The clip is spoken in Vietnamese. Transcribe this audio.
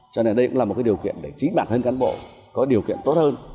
cho nên đây cũng là một điều kiện để chính bản thân cán bộ có điều kiện tốt hơn